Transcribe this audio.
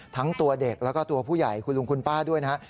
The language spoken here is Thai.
ตัวเด็กแล้วก็ตัวผู้ใหญ่คุณลุงคุณป้าด้วยนะครับ